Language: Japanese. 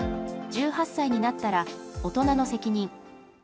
１８歳になったら「大人の責任」。